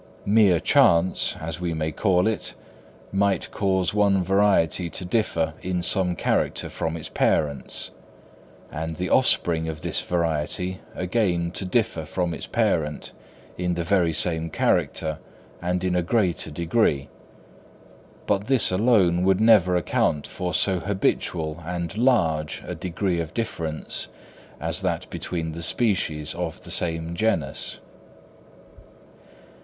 Mere chance, as we may call it, might cause one variety to differ in some character from its parents, and the offspring of this variety again to differ from its parent in the very same character and in a greater degree; but this alone would never account for so habitual and large a degree of difference as that between the species of the same genus.